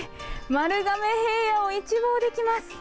丸亀平野を一望できます。